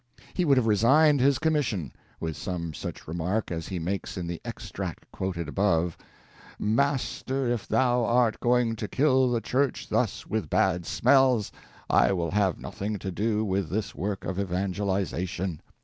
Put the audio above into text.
He would have resigned his commission with some such remark as he makes in the extract quoted above: "Master, if thou art going to kill the church thus with bad smells, I will have nothing to do with this work of evangelization."